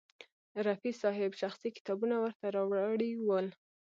رفیع صاحب شخصي کتابونه ورته راوړي ول.